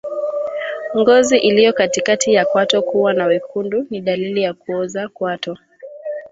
Ngozi iliyo katikati ya kwato kuwa na wekundu ni dalili ya kuoza kwato